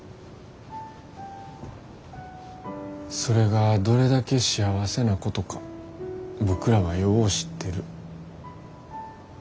それがどれだけ幸せなことか僕らはよう知ってる。